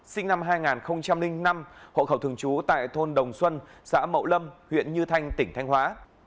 sinh năm hai nghìn năm hộ khẩu thường trú tại thôn đồng xuân xã mậu lâm huyện như thanh tỉnh thanh hóa